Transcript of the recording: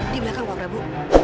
di belakang pak prabu